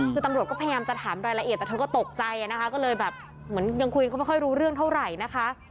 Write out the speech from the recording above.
คือตำรวจก็พยายามจะถามรายละเอียดแต่เธอก็ตกใจนะคะก็เลยแบบเหมือนยังคุยเขาไม่ค่อยรู้เรื่องเท่าไหร่นะคะ